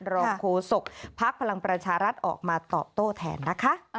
รองโฆษกภักดิ์พลังประชารัฐออกมาตอบโต้แทนนะคะ